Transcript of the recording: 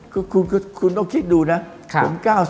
ก็คุณต้องคิดดูนะ